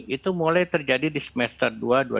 itu mulai terjadi di semester dua dua ribu dua puluh